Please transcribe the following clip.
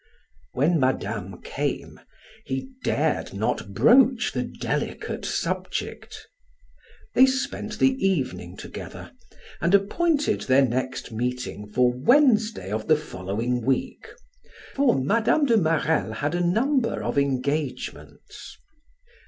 When Madame came, he dared not broach the delicate subject. They spent the evening together and appointed their next meeting for Wednesday of the following week, for Mme. de Marelle had a number of engagements.